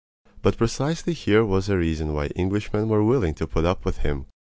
But precisely here was a reason why Englishmen were willing to put up with him.